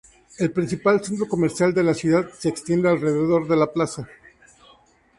El principal centro comercial de la ciudad se extiende alrededor de la plaza.